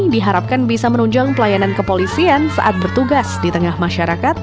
diharapkan bisa menunjang pelayanan kepolisian saat bertugas di tengah masyarakat